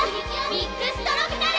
ミックストロピカル！